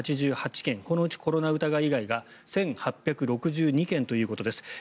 このうちコロナ疑い以外が１８６２件ということです。